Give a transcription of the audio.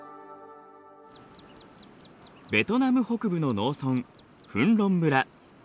ベトナム北部の農村フンロン村。